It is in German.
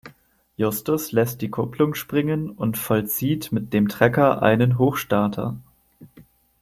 Justus lässt die Kupplung springen und vollzieht mit dem Trecker einen Hochstarter.